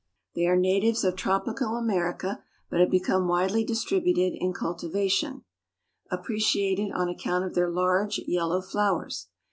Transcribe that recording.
They are natives of tropical America, but have become widely distributed in cultivation, appreciated on account of their large yellow flowers.